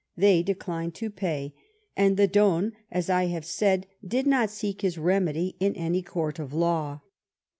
They declined to pay, and the Don, as I have said, did not seek his remedy in any court of law.